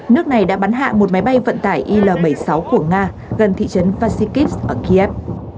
nước này đã bắn hạ một máy bay vận tải il bảy mươi sáu của nga gần thị trấn vasikis ở kiev